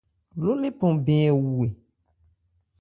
Ló lephan ɛ wu é ?